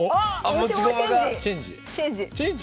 持ち駒チェンジ！